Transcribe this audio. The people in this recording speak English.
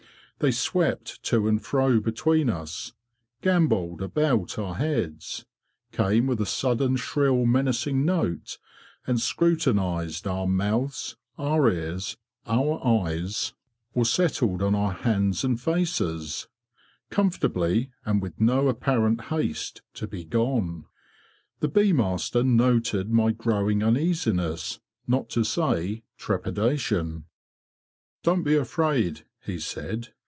They swept to and fro between us; gambolled about our heads; came with a sudden shrill menacing note and scrutinised our mouths, our ears, our eyes, or 26 THE BEE MASTER OF WARRILOW settled on our hands and faces, comfortably, and with no apparent haste to be gone. The bee master noted my growing uneasiness, not to say trepidation. "Don't be afraid,' he said.